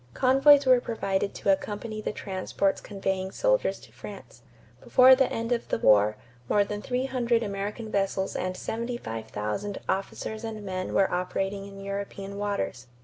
Convoys were provided to accompany the transports conveying soldiers to France. Before the end of the war more than three hundred American vessels and 75,000 officers and men were operating in European waters.